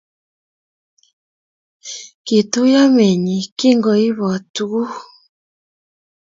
Kituiyo meenyi kingoibot kutuk